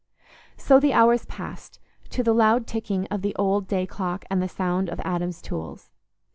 So the hours passed, to the loud ticking of the old day clock and the sound of Adam's tools.